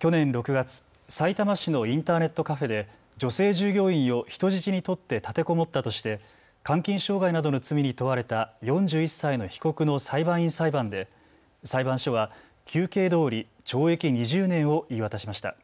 去年６月、さいたま市のインターネットカフェで女性従業員を人質に取って立てこもったとして監禁傷害などの罪に問われた４１歳の被告の裁判員裁判で裁判所は求刑どおり懲役２０年を言い渡しました。